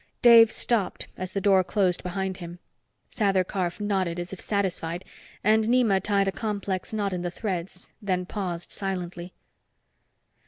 Dave stopped as the door closed behind him. Sather Karf nodded, as if satisfied, and Nema tied a complex knot in the threads, then paused silently.